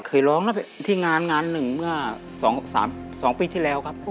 คือร้องไว้ที่งานหนึ่งเมื่อ๒ปีที่แล้วครับ